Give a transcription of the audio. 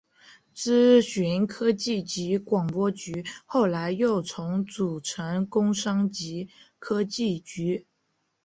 资讯科技及广播局后来又重组成工商及科技局。